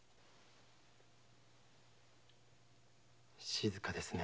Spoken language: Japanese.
静かですね。